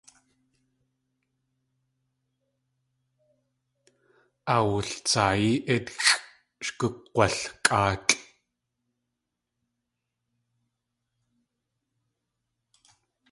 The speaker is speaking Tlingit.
Awultsaayí ítxʼ sh gug̲walkʼáatlʼ.